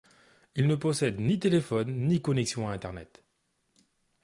Il ne possède ni téléphone ni connexion Internet.